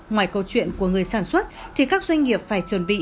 ngoài câu chuyện của người sản xuất thì các doanh nghiệp phải chuẩn bị